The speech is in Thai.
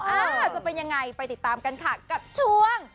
อ่าจะเป็นยังไงไปติดตามกันค่ะกับช่วง